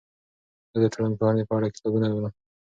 زه د ټولنپوهنې په اړه کتابونه لولم.